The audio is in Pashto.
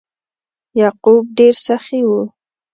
یعقوب ډیر سخي و.